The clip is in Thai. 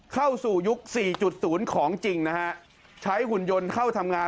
เข้าสู่ยุค๔๐ของจริงนะฮะใช้หุ่นยนต์เข้าทำงาน